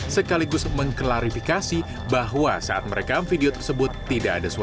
sekaligus mengklarifikasi bahwa saat merekam video tersebut tidak ada sesuatu